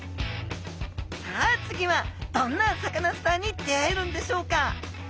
さあ次はどんなサカナスターに出会えるんでしょうか？